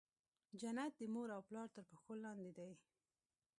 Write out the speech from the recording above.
جنت د مور او پلار تر پښو لاندي دی.